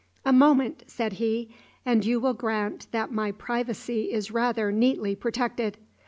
"A moment," said he, "and you will grant that my privacy is rather neatly protected.